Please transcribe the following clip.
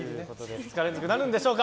２日連続なるんでしょうか。